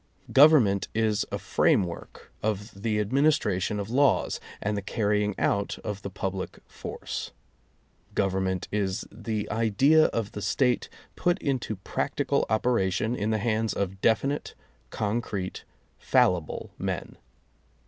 Government is a framework of the administration of laws, and the carrying out of the public force. Government is the idea of the State put into practical operation in the hands of definite, concrete, fallible men.